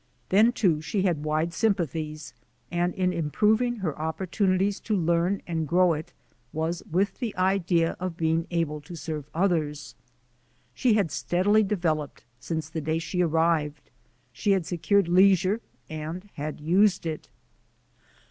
Then, too, she had wide sympathies and in improving her opportunities to learn and grow it 270 THE ADVENTURES OF A NATURE GUIDE was with the idea of being able to serve others. She had steadily developed since the day she ar rived. She had secured leisure and had used it.